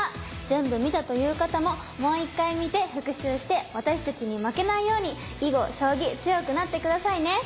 全部見たという方ももう一回見て復習して私たちに負けないように囲碁将棋強くなって下さいね！